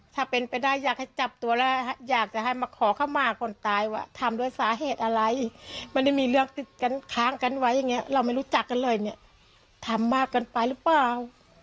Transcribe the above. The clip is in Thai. ถ้าเป็นไปได้อยากให้จับตัวแล้วอยากจะให้มาขอเข้ามาคนตายว่าทำด้วยสาเหตุอะไรไม่ได้มีเรื่องติดกันค้างกันไว้อย่างนี้เราไม่รู้จักกันเลยเนี่ยทำมากเกินไปหรือเปล่า